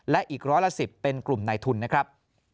และอีกร้อยละ๑๐เป็นกลุ่มในทุนนะครับ